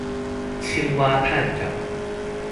青蛙探長